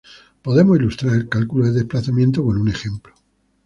Podemos ilustrar el cálculo de desplazamientos con un ejemplo.